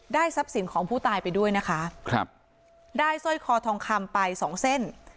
ทรัพย์สินของผู้ตายไปด้วยนะคะครับได้สร้อยคอทองคำไปสองเส้น